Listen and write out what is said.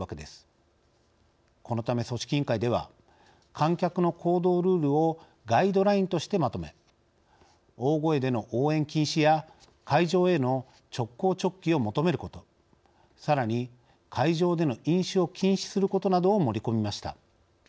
このため組織委員会では観客の行動ルールをガイドラインとしてまとめ大声での応援禁止や会場への直行直帰を求めることさらに会場での飲酒を禁止することなどを盛り込みました。